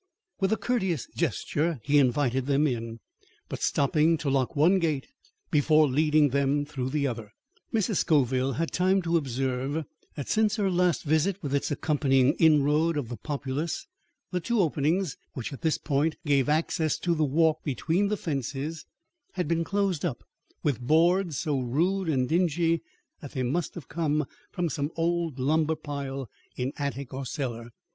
With a courteous gesture he invited them in, but stopping to lock one gate before leading them through the other, Mrs. Scoville had time to observe that since her last visit with its accompanying inroad of the populace, the two openings which at this point gave access to the walk between the fences had been closed up with boards so rude and dingy that they must have come from some old lumber pile in attic or cellar.